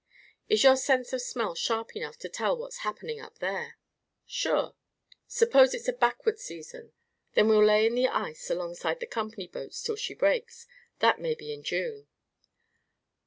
"Is your sense of smell sharp enough to tell what's happening up there?" "Sure." "Suppose it's a backward season?" "Then we'll lay in the ice alongside the Company boats till she breaks. That may be in June."